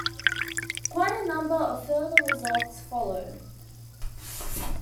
Quite a number of further results followed.